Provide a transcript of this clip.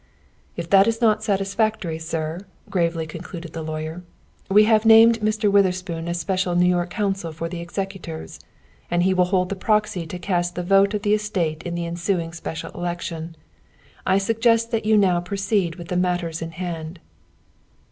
"If that is not satisfactory, sir," gravely concluded the lawyer, "we have named Mr. Witherspoon as special New York counsel for the executors, and he will hold the proxy to cast the vote of the estate in the ensuing special election. I suggest that you now proceed with the matters in hand."